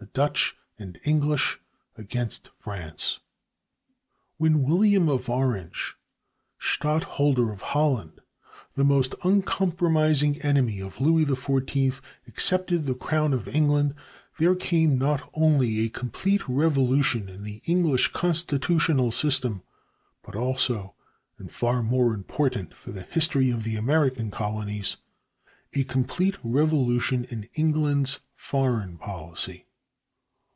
The Dutch and English Against France. When William of Orange, Stadtholder of Holland, the most uncompromising enemy of Louis XIV, accepted the crown of England there came not only a complete revolution in the English constitutional system, but also, and far more important for the history of the American colonies, a complete revolution in England's foreign policy.